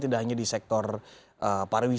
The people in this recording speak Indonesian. tidak hanya di sektor pariwisata